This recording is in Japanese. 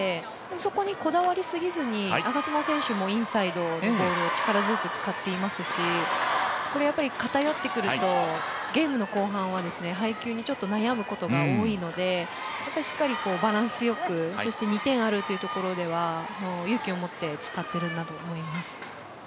そこに、こだわりすぎずに我妻選手もインサイドのボールを力強く使ってますしこれは偏ってくるとゲームの後半は配球に悩むことが多いので、ここしっかり、バランスよくそして２点あるというところでは勇気を持って使っているんだと思います。